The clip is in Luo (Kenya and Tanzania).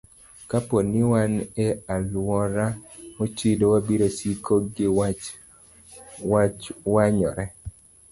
Kapo ni wan e alwora mochido, wabiro siko ka wach wanyore.